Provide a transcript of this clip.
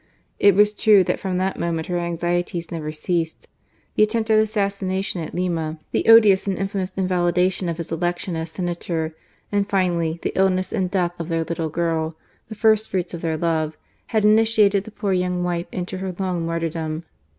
It was true that from that moment her anxieties never ceased ; the attempt at assassination at Lima, the odious and infamous invalidation of his election as Senator, and finally the illness and death of their little girl, the first fruits of their love, had initiated the poor young wife into her long martyrdom.